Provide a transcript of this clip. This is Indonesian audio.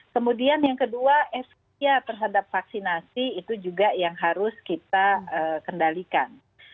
kemudian yang kedua efek terhadap vaksinasi itu juga yang harus kita kendalikan